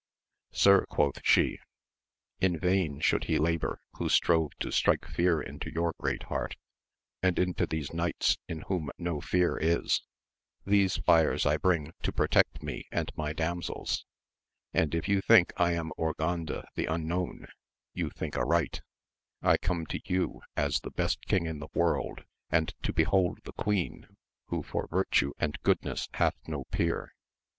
Sir, quoth she, in vain should he labour who strove to strike fear into your great heart, and into these knights in whom no fear is ; these fires I bring to protect me and my damsels : and if you think I am Urganda the Unknown, you think aright ; I come to you as the best king in the world, and to behold the queen, who for virtue and goodness hath no peer.